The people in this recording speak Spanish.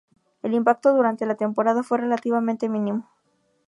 El impacto durante la temporada fue relativamente mínimo.